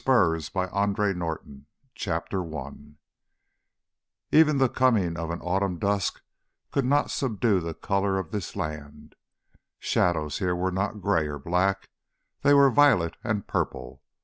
EDITED BY ANDRE NORTON Space Pioneers Space Service 1 Even the coming of an autumn dusk could not subdue the color of this land. Shadows here were not gray or black; they were violet and purple.